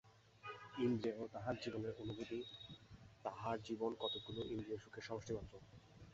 ইন্দ্রিয়েই তাহার জীবনের অনুভূতি, তাহার জীবন কতকগুলি ইন্দ্রিয়সুখের সমষ্টিমাত্র।